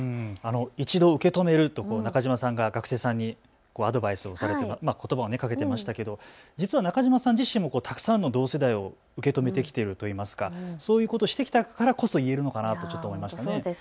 一度受け止めると中島さんが学生さんにことばをかけていましたけど実は中島さん自身もたくさんの同世代を受け止めてきているといいますか、そういうことをしてきたからこそ言えるのかなと思います。